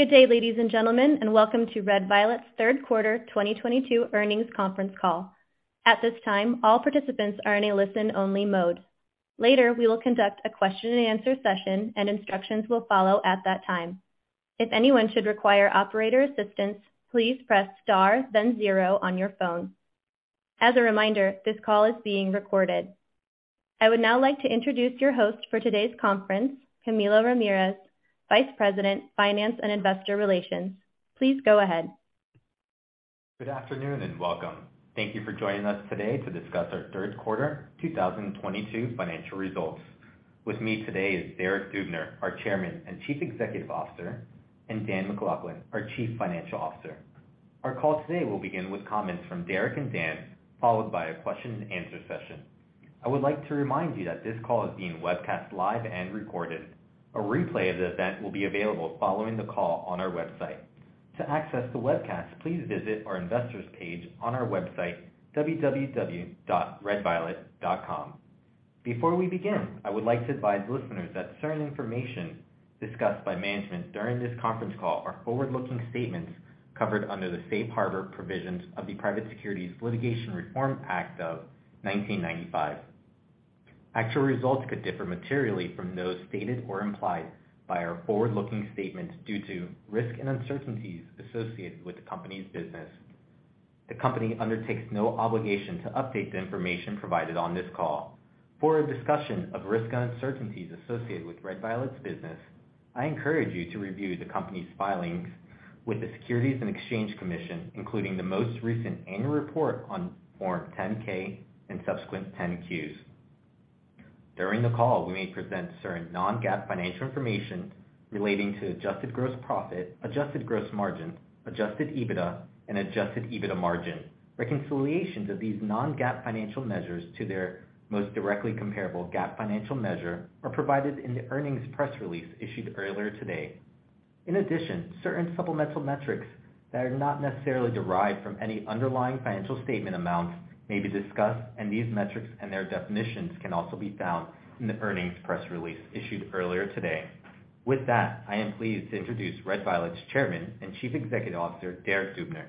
Good day, ladies and gentlemen, and Welcome to Red Violet's Q3 2022 Earnings Conference Call. At this time, all participants are in a listen-only mode. Later, we will conduct a question and answer session and instructions will follow at that time. If anyone should require operator assistance, please press star then zero on your phone. As a reminder, this call is being recorded. I would now like to introduce your host for today's conference, Camilo Ramirez, Vice President, Finance and Investor Relations. Please go ahead. Good afternoon, and welcome. Thank you for joining us today to discuss our Q3 2022 financial results. With me today is Derek Dubner, our Chairman and Chief Executive Officer, and Dan MacLachlan, our Chief Financial Officer. Our call today will begin with comments from Derek and Dan, followed by a question and answer session. I would like to remind you that this call is being webcast live and recorded. A replay of the event will be available following the call on our website. To access the webcast, please visit our investors page on our website, www.redviolet.com. Before we begin, I would like to advise listeners that certain information discussed by management during this conference call are forward-looking statements covered under the Safe Harbor provisions of the Private Securities Litigation Reform Act of 1995. Actual results could differ materially from those stated or implied by our forward-looking statements due to risks and uncertainties associated with the company's business. The company undertakes no obligation to update the information provided on this call. For a discussion of risks and uncertainties associated with Red Violet's business, I encourage you to review the company's filings with the Securities and Exchange Commission, including the most recent annual report on Form 10-K and subsequent 10-Qs. During the call, we may present certain non-GAAP financial information relating to adjusted gross profit, adjusted gross margin, Adjusted EBITDA, and Adjusted EBITDA margin. Reconciliations of these non-GAAP financial measures to their most directly comparable GAAP financial measure are provided in the earnings press release issued earlier today. In addition, certain supplemental metrics that are not necessarily derived from any underlying financial statement amounts may be discussed, and these metrics and their definitions can also be found in the earnings press release issued earlier today. With that, I am pleased to introduce Red Violet's Chairman and Chief Executive Officer, Derek Dubner.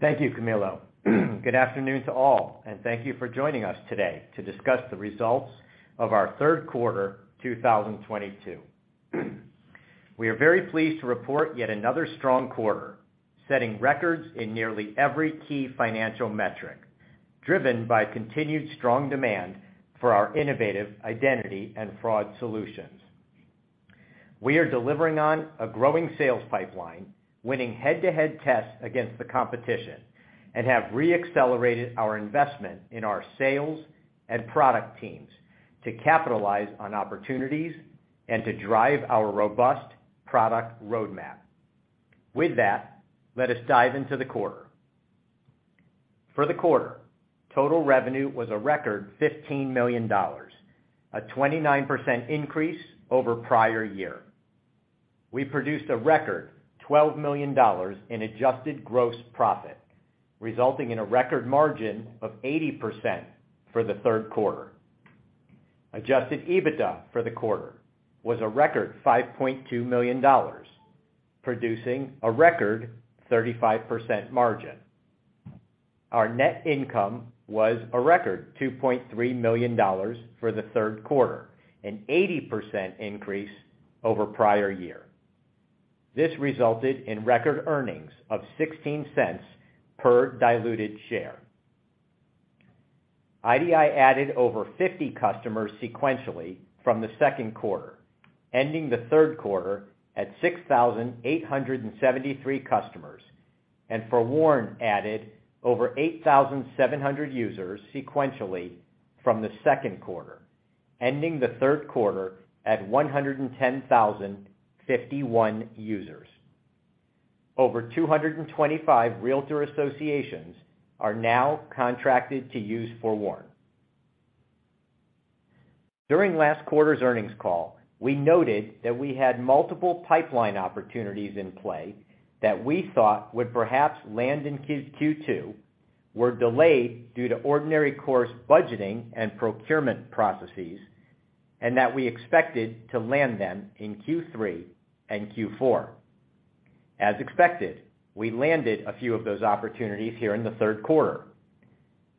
Thank you, Camilo. Good afternoon to all, and thank you for joining us today to discuss the results of our Q3 2022. We are very pleased to report yet another strong quarter, setting records in nearly every key financial metric, driven by continued strong demand for our innovative identity and fraud solutions. We are delivering on a growing sales pipeline, winning head-to-head tests against the competition, and have re-accelerated our investment in our sales and product teams to capitalize on opportunities and to drive our robust product roadmap. With that, let us dive into the quarter. For the quarter, total revenue was a record $15 million, a 29% increase over prior year. We produced a record $12 million in adjusted gross profit, resulting in a record margin of 80% for the Q3. Adjusted EBITDA for the quarter was a record $5.2 million, producing a record 35% margin. Our net income was a record $2.3 million for the Q3, an 80% increase over prior year. This resulted in record earnings of $0.16 per diluted share. IDI added over 50 customers sequentially from the Q2, ending the Q3 at 6,873 customers, and FOREWARN added over 8,700 users sequentially from the Q2, ending the Q3 at 110,051 users. Over 225 REALTOR associations are now contracted to use FOREWARN. During last quarter's earnings call, we noted that we had multiple pipeline opportunities in play that we thought would perhaps land in Q2, were delayed due to ordinary course budgeting and procurement processes, and that we expected to land them in Q3 and Q4. As expected, we landed a few of those opportunities here in the Q3.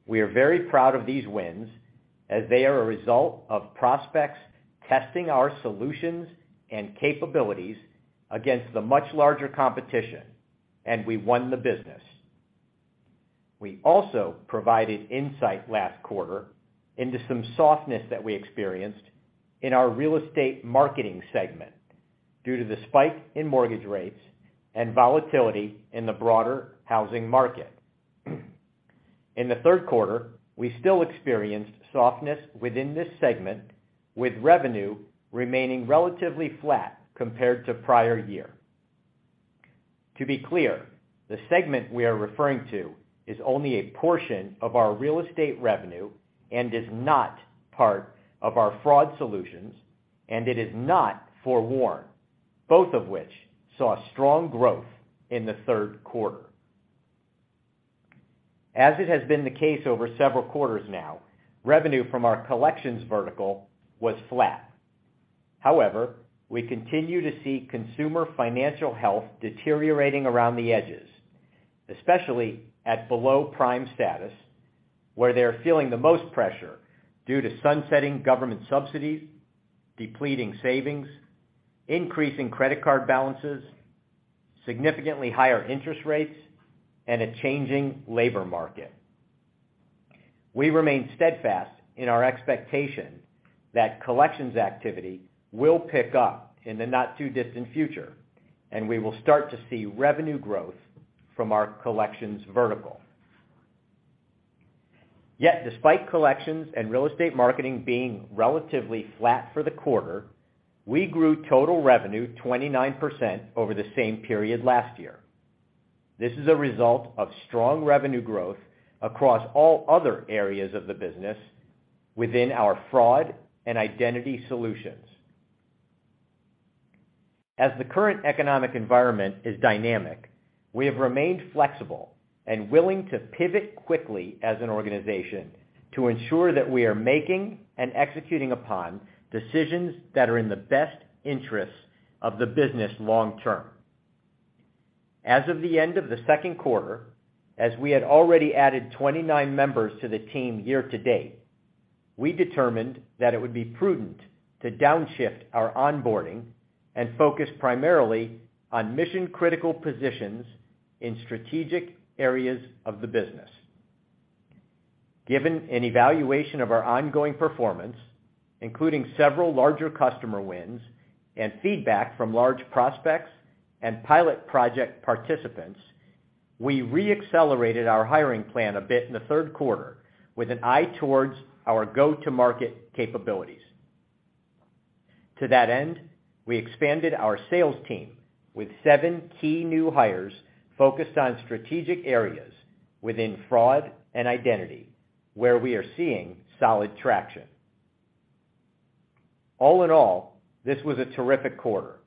We are very proud of these wins as they are a result of prospects testing our solutions and capabilities against the much larger competition, and we won the business. We also provided insight last quarter into some softness that we experienced in our real estate marketing segment due to the spike in mortgage rates and volatility in the broader housing market. In the Q3, we still experienced softness within this segment, with revenue remaining relatively flat compared to prior year. To be clear, the segment we are referring to is only a portion of our real estate revenue and is not part of our fraud solutions, and it is not FOREWARN, both of which saw strong in Q3. As it has been the case over several quarters now, revenue from our collections vertical was flat. However, we continue to see consumer financial health deteriorating around the edges, especially at below prime status, where they are feeling the most pressure due to sunsetting government subsidies, depleting savings, increasing credit card balances, significantly higher interest rates, and a changing labor market. We remain steadfast in our expectation that collections activity will pick up in the not too distant future, and we will start to see revenue growth from our collections vertical. Yet despite collections and real estate marketing being relatively flat for the quarter, we grew total revenue 29% over the same period last year. This is a result of strong revenue growth across all other areas of the business within our fraud and identity solutions. As the current economic environment is dynamic, we have remained flexible and willing to pivot quickly as an organization to ensure that we are making and executing upon decisions that are in the best interests of the business long term. As of the end of the Q2, as we had already added 29 members to the team year to date, we determined that it would be prudent to downshift our onboarding and focus primarily on mission-critical positions in strategic areas of the business. Given an evaluation of our ongoing performance, including several larger customer wins and feedback from large prospects and pilot project participants, we re-accelerated our hiring plan a bit in the Q3 with an eye towards our go-to-market capabilities. To that end, we expanded our sales team with seven key new hires focused on strategic areas within fraud and identity, where we are seeing solid traction. All in all, this was a terrific quarter.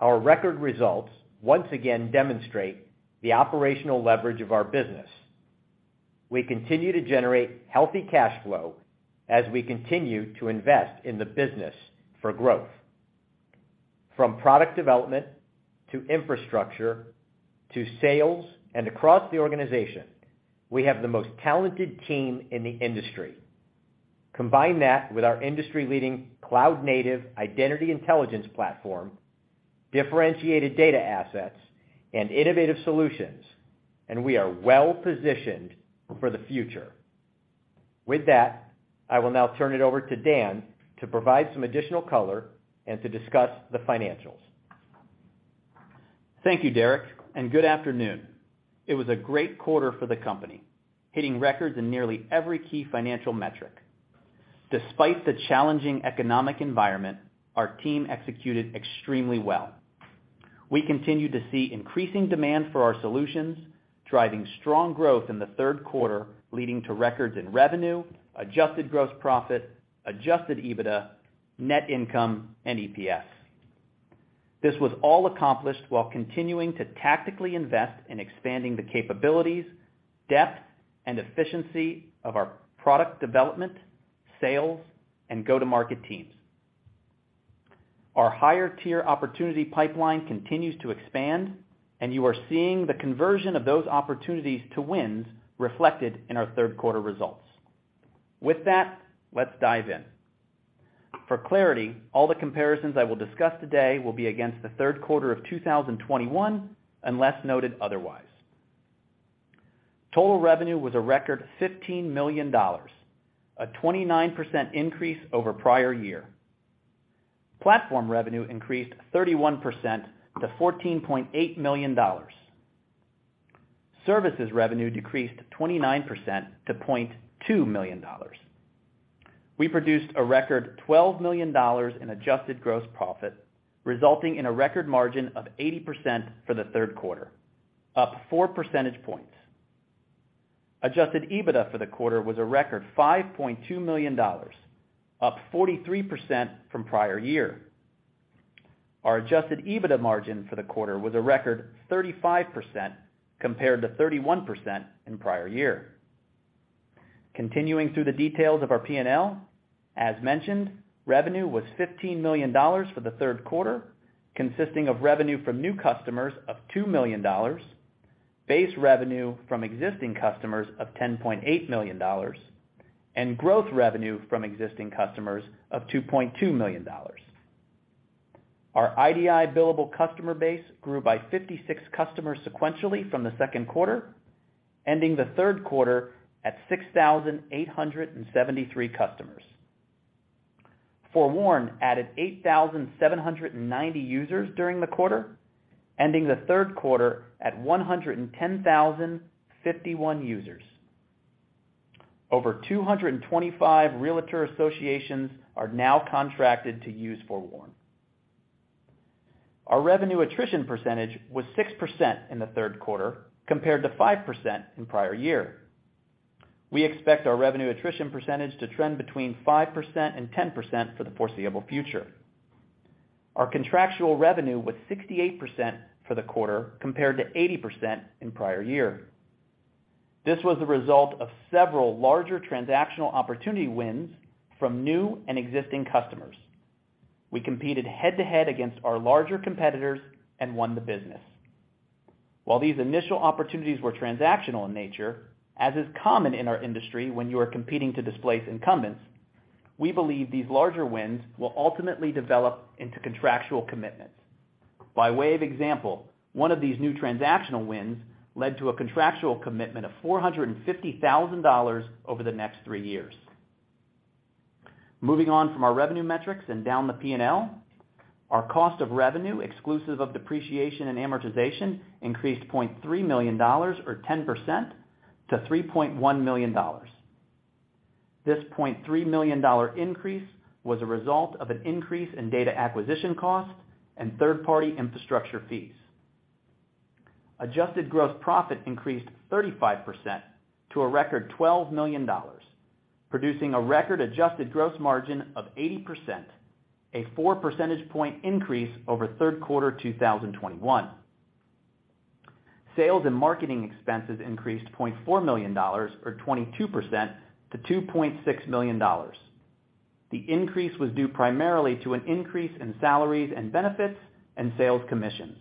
Our record results once again demonstrate the operational leverage of our business. We continue to generate healthy cash flow as we continue to invest in the business for growth. From product development to infrastructure to sales and across the organization, we have the most talented team in the industry. Combine that with our industry-leading cloud-native identity intelligence platform, differentiated data assets, and innovative solutions, and we are well-positioned for the future. With that, I will now turn it over to Dan to provide some additional color and to discuss the financials. Thank you, Derek, and good afternoon. It was a great quarter for the company, hitting records in nearly every key financial metric. Despite the challenging economic environment, our team executed extremely well. We continue to see increasing demand for our solutions, driving strong growth in the Q3, leading to records in revenue, adjusted gross profit, Adjusted EBITDA, net income and EPS. This was all accomplished while continuing to tactically invest in expanding the capabilities, depth, and efficiency of our product development, sales, and go-to-market teams. Our higher-tier opportunity pipeline continues to expand, and you are seeing the conversion of those opportunities to wins reflected in our Q3 results. With that, let's dive in. For clarity, all the comparisons I will discuss today will be against the Q3 of 2021, unless noted otherwise. Total revenue was a record $15 million, a 29% increase over prior year. Platform revenue increased 31% to $14.8 million. Services revenue decreased 29% to $0.2 million. We produced a record $12 million in adjusted gross profit, resulting in a record margin of 80% for the Q3, up four percentage points. Adjusted EBITDA for the quarter was a record $5.2 million, up 43% from prior year. Our Adjusted EBITDA margin for the quarter was a record 35% compared to 31% in prior year. Continuing through the details of our P&L, as mentioned, revenue was $15 million for the Q3, consisting of revenue from new customers of $2 million, base revenue from existing customers of $10.8 million, and growth revenue from existing customers of $2.2 million. Our IDI billable customer base grew by 56 customers sequentially from the Q2, ending the Q3 at 6,873 customers. FOREWARN added 8,790 users during the quarter, ending the Q3 at 110,051 users. Over 225 REALTOR association are now contracted to use FOREWARN. Our revenue attrition percentage was 6% in the Q3 compared to 5% in prior year. We expect our revenue attrition percentage to trend between 5% and 10% for the foreseeable future. Our contractual revenue was 68% for the quarter compared to 80% in prior year. This was the result of several larger transactional opportunity wins from new and existing customers. We competed head-to-head against our larger competitors and won the business. While these initial opportunities were transactional in nature, as is common in our industry when you are competing to displace incumbents, we believe these larger wins will ultimately develop into contractual commitments. By way of example, one of these new transactional wins led to a contractual commitment of $450,000 over the next three years. Moving on from our revenue metrics and down the P&L. Our cost of revenue exclusive of depreciation and amortization increased $0.3 million or 10% to $3.1 million. This $0.3 million increase was a result of an increase in data acquisition costs and third-party infrastructure fees. Adjusted gross profit increased 35% to a record $12 million, producing a record adjusted gross margin of 80%, a four percentage point increase over Q3 2021. Sales and marketing expenses increased $0.4 million or 22% to $2.6 million. The increase was due primarily to an increase in salaries and benefits and sales commissions.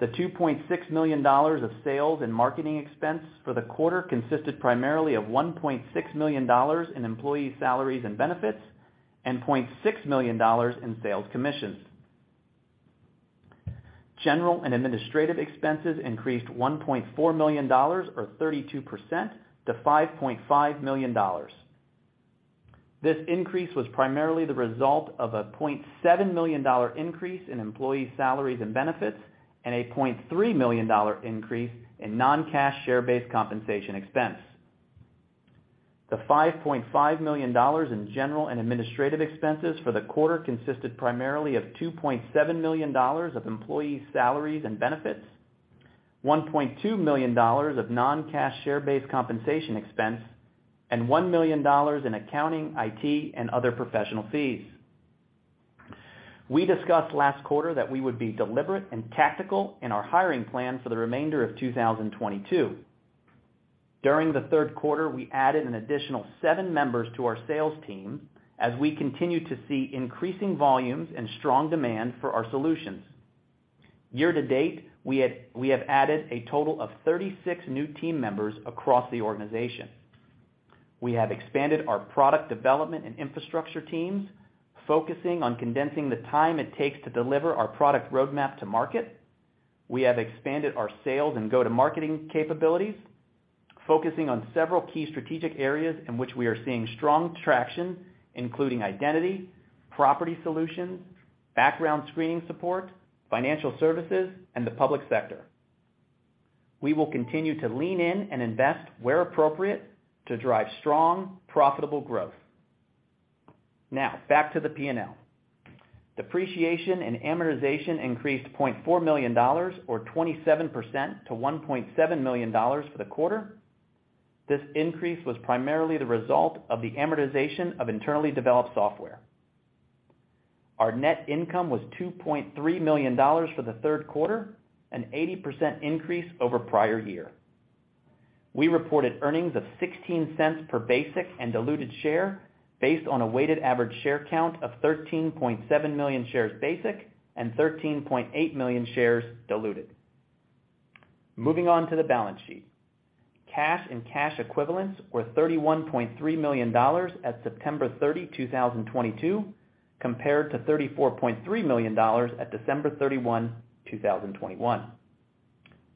The $2.6 million of sales and marketing expense for the quarter consisted primarily of $1.6 million in employee salaries and benefits and $0.6 million in sales commissions. General and administrative expenses increased $1.4 million or 32% to $5.5 million. This increase was primarily the result of a $0.7 million increase in employee salaries and benefits and a $0.3 million increase in non-cash share-based compensation expense. The $5.5 million in general and administrative expenses for the quarter consisted primarily of $2.7 million of employee salaries and benefits, $1.2 million of non-cash share-based compensation expense, and $1 million in accounting, IT, and other professional fees. We discussed last quarter that we would be deliberate and tactical in our hiring plan for the remainder of 2022. During the Q3, we added an additional seven members to our sales team as we continue to see increasing volumes and strong demand for our solutions. Year to date, we have added a total of 36 new team members across the organization. We have expanded our product development and infrastructure teams, focusing on condensing the time it takes to deliver our product roadmap to market. We have expanded our sales and go-to-marketing capabilities, focusing on several key strategic areas in which we are seeing strong traction, including identity, property solutions, background screening support, financial services, and the public sector. We will continue to lean in and invest where appropriate to drive strong, profitable growth. Now, back to the P&L. Depreciation and amortization increased $0.4 million or 27% to $1.7 million for the quarter. This increase was primarily the result of the amortization of internally developed software. Our net income was $2.3 million for the Q3, an 80% increase over prior year. We reported earnings of $0.16 per basic and diluted share based on a weighted average share count of 13.7 million shares basic and 13.8 million shares diluted. Moving on to the balance sheet. Cash and cash equivalents were $31.3 million at 30 September 2022, compared to $34.3 million at 31 December 2021.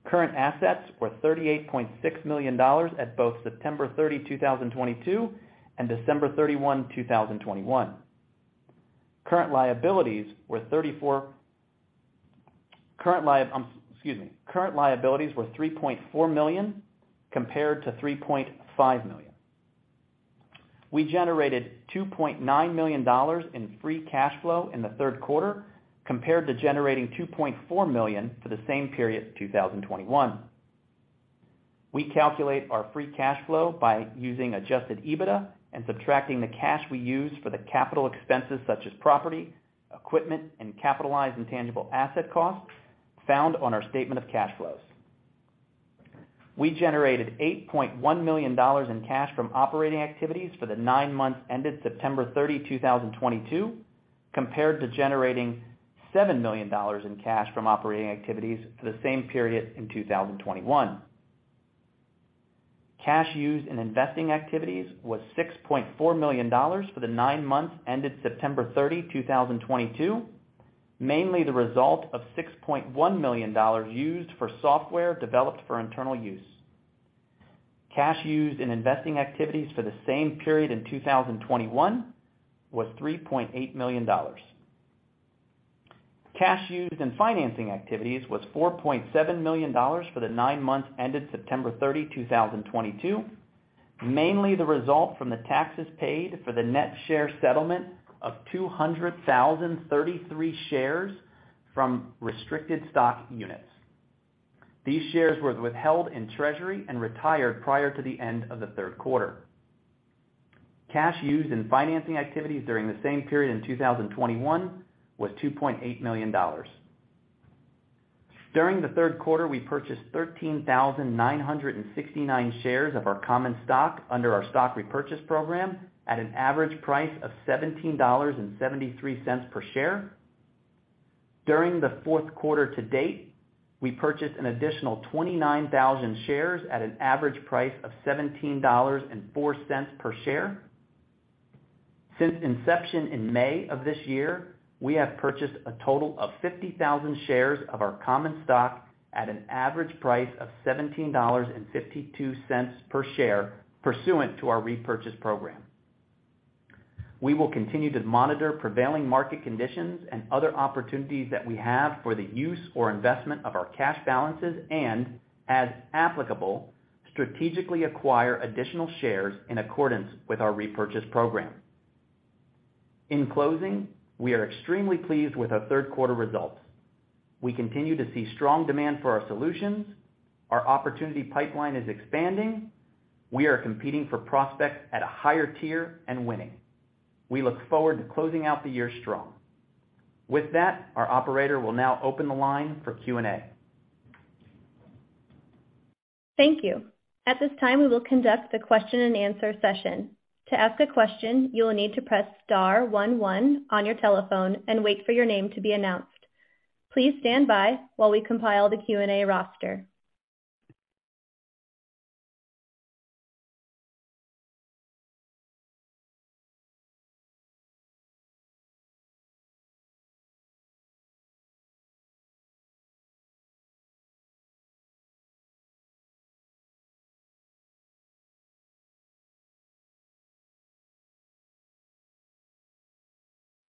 Current assets were $38.6 million at both 30 September 2022 and 31 December 2021. Current liabilities were $3.4 million compared to $3.5 million. We generated $2.9 million in free cash flow in the Q3 compared to generating $2.4 million for the same period in 2021. We calculate our free cash flow by using Adjusted EBITDA and subtracting the cash we use for the capital expenses such as property, equipment, and capitalized intangible asset costs found on our statement of cash flows. We generated $8.1 million in cash from operating activities for the nine months ended 30 September 2022, compared to generating $7 million in cash from operating activities for the same period in 2021. Cash used in investing activities was $6.4 million for the nine months ended 30 September 2022, mainly the result of $6.1 million used for software developed for internal use. Cash used in investing activities for the same period in 2021 was $3.8 million. Cash used in financing activities was $4.7 million for the nine months ended September 30, 2022, mainly the result from the taxes paid for the net share settlement of 233,000 shares from restricted stock units. These shares were withheld in treasury and retired prior to the end of the Q3. Cash used in financing activities during the same period in 2021 was $2.8 million. During the Q3, we purchased 13,969 shares of our common stock under our stock repurchase program at an average price of $17.73 per share. During the Q4 to date, we purchased an additional 29,000 shares at an average price of $17.04 per share. Since inception in May of this year, we have purchased a total of 50,000 shares of our common stock at an average price of $17.52 per share pursuant to our repurchase program. We will continue to monitor prevailing market conditions and other opportunities that we have for the use or investment of our cash balances and, as applicable, strategically acquire additional shares in accordance with our repurchase program. In closing, we are extremely pleased with our Q3 results. We continue to see strong demand for our solutions. Our opportunity pipeline is expanding. We are competing for prospects at a higher tier and winning. We look forward to closing out the year strong. With that, our operator will now open the line for Q&A. Thank you. At this time, we will conduct the question-and-answer session. To ask a question, you will need to press star one one on your telephone and wait for your name to be announced. Please stand by while we compile the Q&A roster.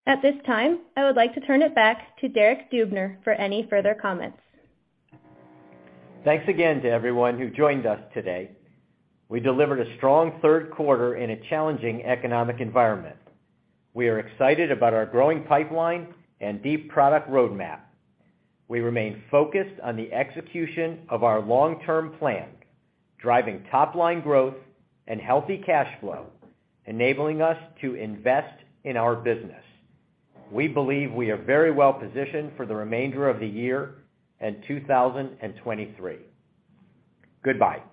At this time, I would like to turn it back to Derek Dubner for any further comments. Thanks again to everyone who joined us today. We delivered a strong Q3 in a challenging economic environment. We are excited about our growing pipeline and deep product roadmap. We remain focused on the execution of our long-term plan, driving top-line growth and healthy cash flow, enabling us to invest in our business. We believe we are very well positioned for the remainder of the year and 2023. Goodbye.